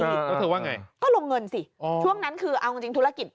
แล้วเธอว่าไงก็ลงเงินสิช่วงนั้นคือเอาจริงจริงธุรกิจ